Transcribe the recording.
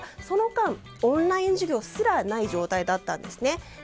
その間、オンライン授業すらない状態だったんですね。